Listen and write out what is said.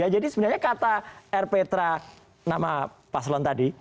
jadi sebenarnya kata air petra nama paslon tadi